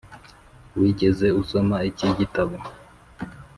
wigeze usoma iki gitabo?